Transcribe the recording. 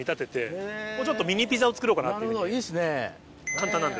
簡単なんで。